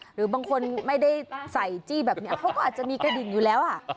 หรือบางคนไม่ได้ใส่จี้แบบนี้เขาก็อาจจะมีกระดิ่งอยู่แล้ว